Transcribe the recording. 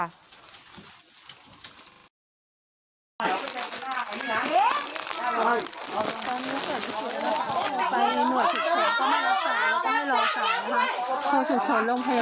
ตอนนี้เสริมชื้น